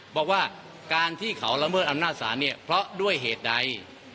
บอกว่าการที่เขาละเมิดอำนาจศาลเนี่ยเพราะด้วยเหตุใด